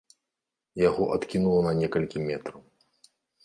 Яго адкінула на некалькі метраў.